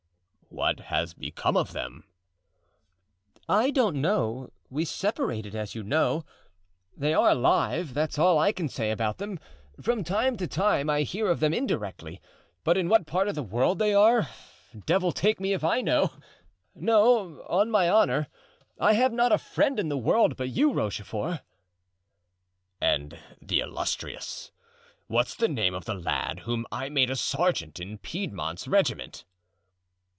"What has become of them?" "I don't know; we separated, as you know. They are alive, that's all that I can say about them; from time to time I hear of them indirectly, but in what part of the world they are, devil take me if I know, No, on my honor, I have not a friend in the world but you, Rochefort." "And the illustrious—what's the name of the lad whom I made a sergeant in Piedmont's regiment?"